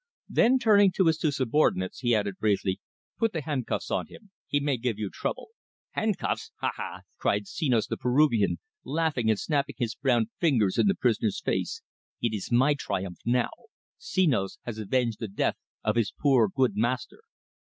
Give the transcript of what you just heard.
Then, turning to his two subordinates, he added briefly: "Put the handcuffs on him! He may give trouble!" "Handcuffs! Ha, ha!" cried Senos the Peruvian, laughing and snapping his brown fingers in the prisoner's face. "It is my triumph now. Senos has avenged the death of his poor, good master!"